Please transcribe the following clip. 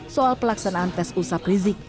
soal pelaksanaan tes usap rizik